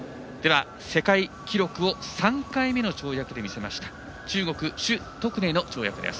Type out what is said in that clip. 世界記録を３回目の跳躍で見せた中国、朱徳寧の跳躍です。